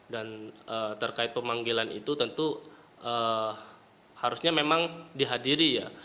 dan terkait pemanggilan itu tentu harusnya memang dihadiri ya